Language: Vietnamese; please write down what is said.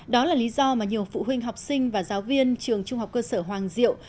đó là lý do mà nhiều phụ huynh học sinh và giáo viên trường trung học cơ sở hoàng diệu